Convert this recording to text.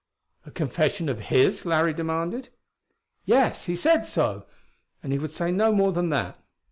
"A confession of his?" Larry demanded. "Yes; he said so. And he would say no more than that.